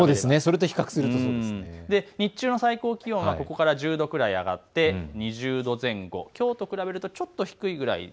日中の最高気温はここから１０度くらい上がって２０度前後、きょうと比べるとちょっと低いくらい。